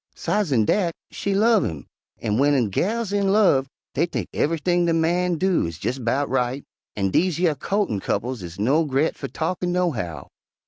Sidesen dat, she love' him, an' w'en gals is in love dey think ev'ything de man do is jes' 'bout right, an' dese yer co'tin' couples is no gre't fer talkin,' nohow.